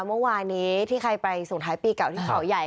เมื่อวานนี้ที่ใครไปส่งท้ายปีเก่าที่เขาใหญ่